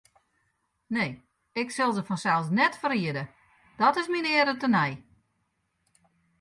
Nee, ik sil se fansels net ferriede, dat is myn eare tenei.